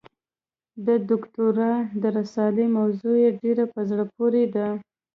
د دوکتورا د رسالې موضوع یې ډېره په زړه پورې ده.